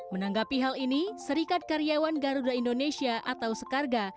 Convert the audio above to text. menanggapi hal ini serikat karyawan garuda indonesia atau sekarga